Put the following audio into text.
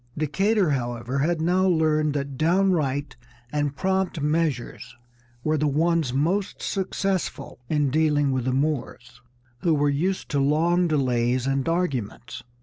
Decatur, however, had now learned that downright and prompt measures were the ones most successful in dealing with the Moors, who were used to long delays and arguments.